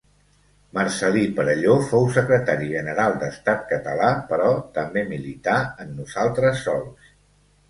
Marcel·lí Perelló fou secretari general d'Estat Català, però també milità en Nosaltres Sols!